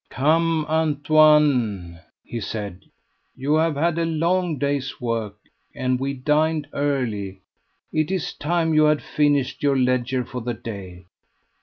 "Come, Antoine," he said, "you have had a long day's work, and we dined early; it is time you had finished your ledger for the day.